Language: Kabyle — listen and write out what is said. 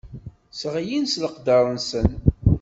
Sseɣlin s leqder-nsen.